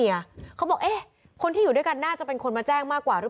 อยู่คนละบ้าน